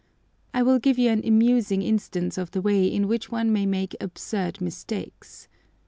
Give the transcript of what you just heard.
I will give you an amusing instance of the way in which one may make absurd mistakes.